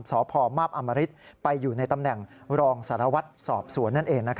สอบภอม้าบอมฤษไปอยู่ตำแหน่งกรองสลาวัฒน์สอบสวนนั้นเอง